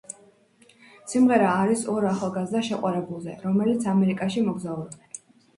სიმღერა არის ორ ახალგაზრდა შეყვარებულზე, რომლებიც ამერიკაში მოგზაურობენ.